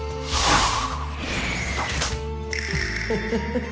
あっ！